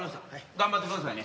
頑張ってくださいね。